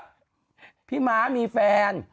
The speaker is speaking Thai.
ชะมัดพี่เบิร์ดพี่ม้ามีแฟน